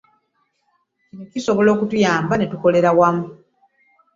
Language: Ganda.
Kino kisobola okutuyamba ne tukolaganira wamu